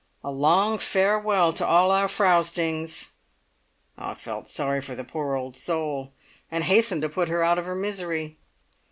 a long farewell to all our frowstings!" I felt sorry for the poor old soul, and hastened to put her out of her misery.